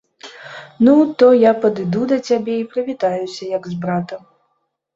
Ну, то я падыду да цябе і прывітаюся, як з братам.